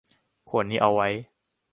ขวดนี้เอาไว้